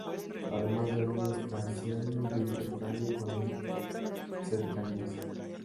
Además, es una estación de intercambio con un cercanías.